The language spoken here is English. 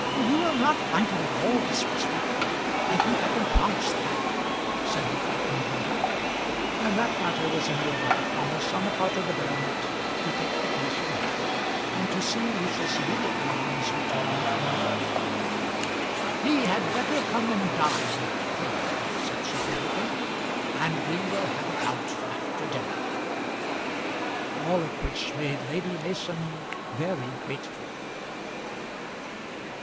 "You will not find him at all disrespectful; I think I can promise that," said the frightened mother; and that matter was ended by a promise on the part of the baronet to take the case in hand, and to see Lucius immediately on his return from Liverpool. "He had better come and dine at The Cleeve," said Sir Peregrine, "and we will have it out after dinner." All of which made Lady Mason very grateful.